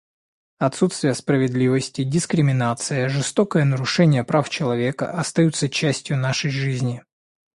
Отсутствие справедливости, дискриминация, жестокое нарушение прав человека остаются частью нашей жизни.